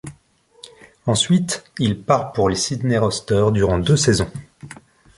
Ensuite, il part pour les Sydney Roosters durant deux saisons.